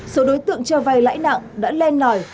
số đối tượng cho vay lãi nặng đã lên nòi